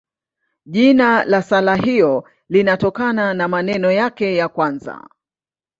Jina la sala hiyo linatokana na maneno yake ya kwanza.